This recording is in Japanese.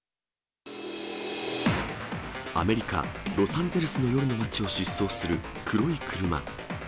アメリカ・ロサンゼルスの夜の町を疾走する黒い車。